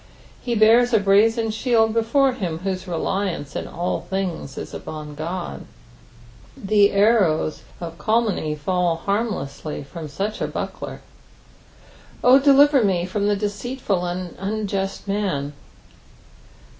He bears a brazen shield before him whose reliance in all things is upon his Qod ; the arrows of calumny fall harmlessly from aach a buckler. "0 delirer me Jh»n the deceUful and unjust man."